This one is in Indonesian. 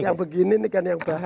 yang begini ini kan yang bahaya